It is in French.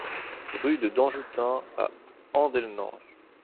Rue de Danjoutin à Andelnans